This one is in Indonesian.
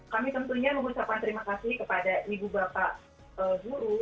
kami tentunya mengucapkan terima kasih kepada ibu bapak guru